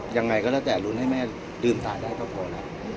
ยังไงก็แล้วแต่รุ้นให้แม่ลืมตาได้ก็พอแล้ว